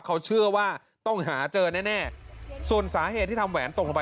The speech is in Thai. เขาเชื่อว่าต้องหาเจอแน่แน่ส่วนสาเหตุที่ทำแหวนตกลงไป